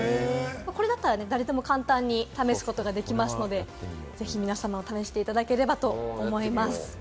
これだったら、誰でも簡単に試すことができますので、ぜひ皆さんも試していただければと思います。